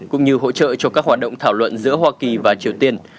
cũng như hỗ trợ cho các hoạt động thảo luận giữa hoa kỳ và triều tiên